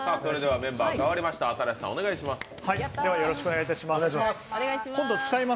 メンバー変わりましたのでお願いします。